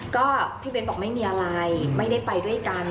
ก็พี่เบ้นบอกไม่มีอะไรไม่ได้ไปด้วยกัน